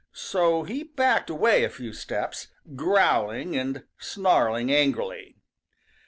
So he backed away a few steps, growling and snarling angrily.